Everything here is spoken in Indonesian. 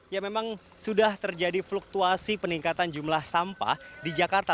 ya memang sudah terjadi fluktuasi peningkatan jumlah sampah di jakarta